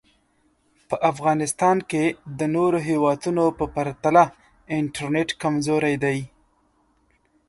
په افغانیستان کې د نورو هېوادونو پرتله انټرنټ کمزوری دی